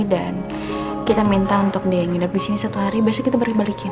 dan kita minta untuk dia nginap disini satu hari besok kita balikin